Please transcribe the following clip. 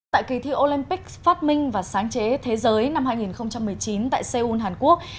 tại kỳ thi olympic phát minh và sáng chế thế giới năm hai nghìn một mươi chín tại seoul hàn quốc